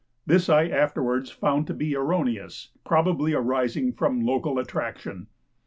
This I afterwards found to be erroneous, probably arising from local attraction.